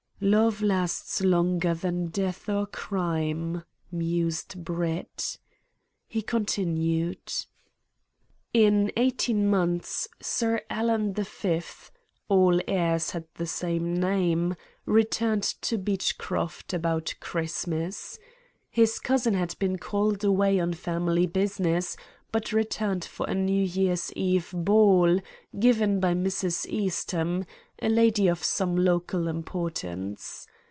"Love lasts longer than death or crime," mused Brett. He continued: "In eighteen months Sir Alan the fifth all heirs had same name returned to Beechcroft, about Christmas. His cousin had been called away on family business, but returned for a New Year's Eve ball, given by Mrs. Eastham, a lady of some local importance.